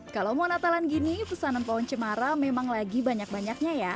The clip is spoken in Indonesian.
kalau mau natalan gini pesanan pohon cemara memang lagi banyak banyaknya ya